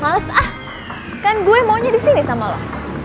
males ah kan gue maunya disini sama lo